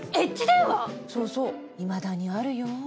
そうそういまだにあるよ。